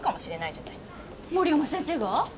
森山先生が？